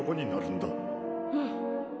うん。